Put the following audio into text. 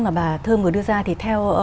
mà bà thơm vừa đưa ra thì theo